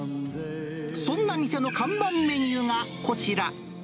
そんな店の看板メニューがこちら。